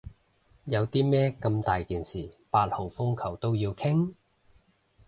有啲咩咁大件事八號風球都要傾？